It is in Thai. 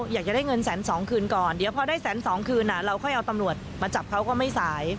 อยากจะได้เงินแสนสองคืนก่อนเดี๋ยวพอได้แสนสองคืนเราค่อยเอาตำรวจมาจับเขาก็ไม่สาย